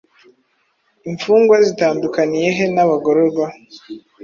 Imfungwa zitandukaniye he n’abagororwa?